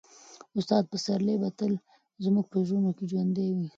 استاد پسرلی به تل زموږ په زړونو کې ژوندی وي.